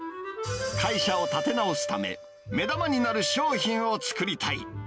会社を立て直すため、目玉になる商品を作りたい。